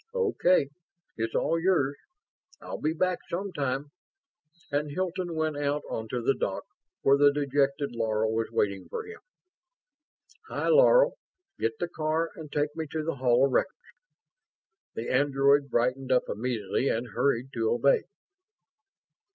"Okay. It's all yours. I'll be back sometime," and Hilton went out onto the dock, where the dejected Laro was waiting for him. "Hi, Laro. Get the car and take me to the Hall of Records." The android brightened up immediately and hurried to obey.